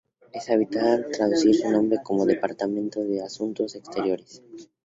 Es habitual traducir su nombre como "Departamento de Asuntos Exteriores".